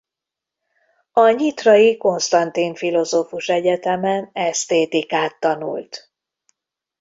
A nyitrai Konstantin Filozófus Egyetemen esztétikát tanult.